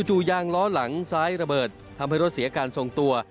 ยางล้อหลังซ้ายระเบิดทำให้รถเสียการทรงตัว